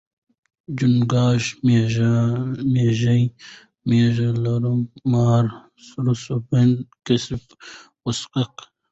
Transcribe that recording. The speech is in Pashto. چونګښه، میږی، میږه، لړم، مار، سرسوبنده، کیسپ، غوسکی